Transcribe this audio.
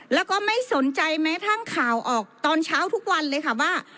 แล้วก็ไม่สนใจแม้ทั้งข่าวออกตอนเช้าทุกวันเลยค่ะว่า